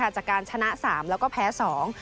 จากการชนะสามแล้วก็แพ้สอง